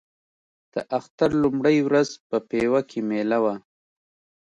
د اختر لومړۍ ورځ په پېوه کې مېله وه.